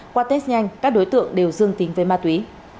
qua test nhanh các đối tượng đều dương tính với ma túy